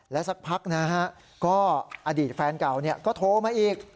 สักพักนะฮะก็อดีตแฟนเก่าก็โทรมาอีก